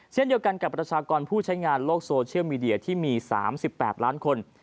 เช่นเดียวกันกับประชากรผู้ใช้งานโลกโซเชียลมีเดียที่มี๓๘ล้านคน